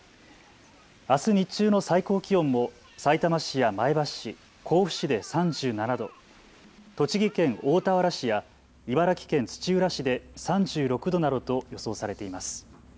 あす日中の最高気温もさいたま市や前橋市、甲府市で３７度、栃木県大田原市や茨城県土浦市で３６度などと予想されています。